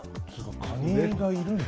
カニがいるんだ。